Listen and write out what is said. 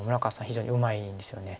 非常にうまいんですよね。